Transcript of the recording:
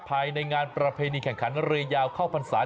ภายในงานประเพณีแข่งขันเรือยาวเข้าพรรษา